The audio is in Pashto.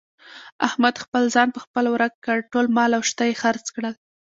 احمد خپل ځان په خپله ورک کړ. ټول مال او شته یې خرڅ کړل.